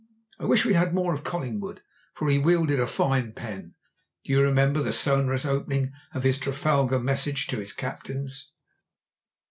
I wish we had more of Collingwood, for he wielded a fine pen. Do you remember the sonorous opening of his Trafalgar message to his captains?